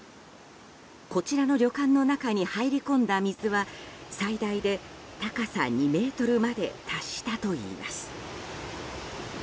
こちらの旅館の中に入り込んだ水は最大で高さ２ｍまで達したといいます。